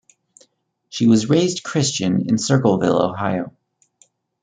She was raised Christian in Circleville, Ohio.